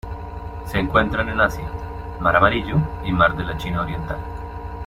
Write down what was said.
Se encuentran en Asia: Mar Amarillo y Mar de la China Oriental.